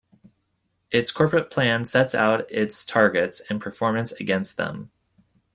Its Corporate Plan sets out its targets and performance against them.